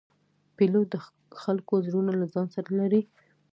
پیلوټ د خلکو زړونه له ځان سره لري.